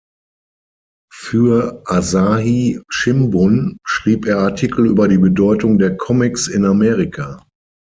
Für "Asahi Shimbun" schrieb er Artikel über die Bedeutung der Comics in Amerika.